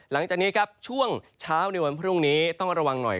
หลังจากนี้ครับช่วงเช้าในวันพรุ่งนี้ต้องระวังหน่อย